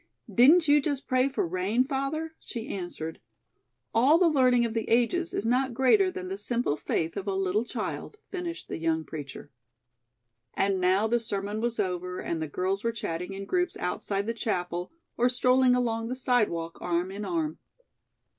"'Didn't you just pray for rain, father?' she answered. "All the learning of the ages is not greater than the simple faith of a little child," finished the young preacher. And now the sermon was over and the girls were chatting in groups outside the Chapel, or strolling along the sidewalk arm in arm.